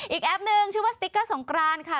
แอปนึงชื่อว่าสติ๊กเกอร์สงกรานค่ะ